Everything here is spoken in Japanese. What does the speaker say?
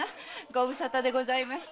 ご無沙汰でございました。